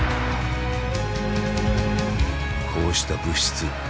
こうした「物質」。